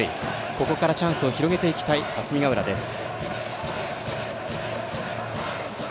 ここからチャンスを広げていきたい霞ヶ浦です。